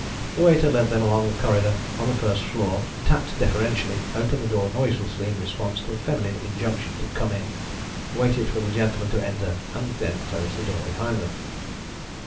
The waiter led them along a corridor on the first floor, tapped deferentially, opened the door noiselessly in response to a feminine injunction to "come in," waited for the gentlemen to enter, and then closed the door behind them.